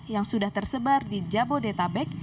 yang sudah tersebar di jabodetabek